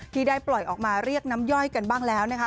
ที่ได้ปล่อยออกมาเรียกน้ำย่อยกันบ้างแล้วนะคะ